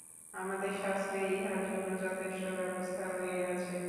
আমাদের শাস্ত্রে ইহার জন্য যথেষ্ট ব্যবস্থা রহিয়াছে।